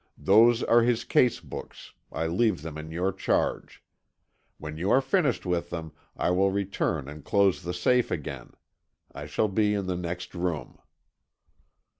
Those are his case books, I leave them in your charge. When you are finished with them I will return and close the safe again. I shall be in the next room."